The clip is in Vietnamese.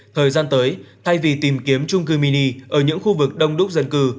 thời gian tới thay vì tìm kiếm trung cư mini ở những khu vực đông đúc dân cư